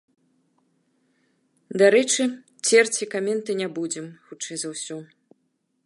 Дарэчы, церці каменты не будзем хутчэй за ўсё.